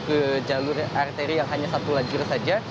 ke jalur arteri yang hanya satu lajur saja